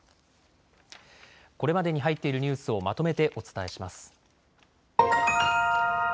これまでに入っているニュースをまとめてお伝えします。